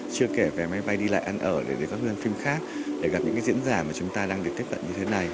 chưa kể về máy bay đi lại ăn ở để các nguyên phim khác để gặp những diễn giả mà chúng ta đang được tiếp cận như thế này